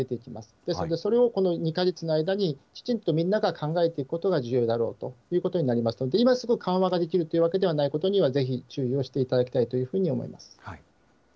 ですので、それをこの２か月の間にきちんとみんなが考えていくことが重要だろうということになりますので、今すぐ緩和ができるということではないことには、ぜひ注意をしていただきたいというふうに思います。